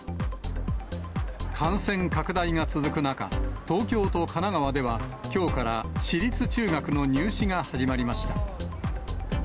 感染拡大が続く中、東京と神奈川では、きょうから私立中学の入試が始まりました。